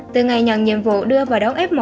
từ ngày nhận nhiệm vụ đưa vào đón f một